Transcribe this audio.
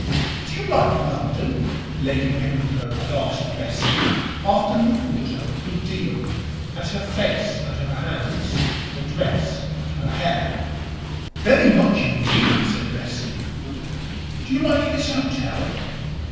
"Do you like London?" Lady Pimlico had asked of Bessie, after looking at her a good deal at her face and her hands, her dress and her hair. "Very much indeed," said Bessie. "Do you like this hotel?"